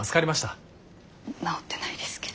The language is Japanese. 直ってないですけど。